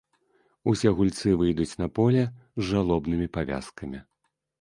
Усе гульцы выйдуць на поле з жалобнымі павязкамі.